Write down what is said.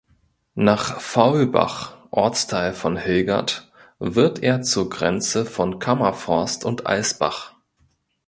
Nach Faulbach (Ortsteil von Hilgert) wird er zur Grenze von Kammerforst und Alsbach.